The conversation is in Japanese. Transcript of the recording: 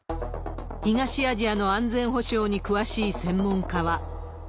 東アジアの安全保障に詳しい専門家は。